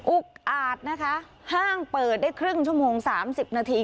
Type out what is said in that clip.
อาจนะคะห้างเปิดได้ครึ่งชั่วโมง๓๐นาที